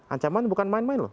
ancaman bukan main main loh